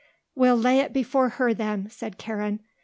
"We'll lay it before her, then," said Karen.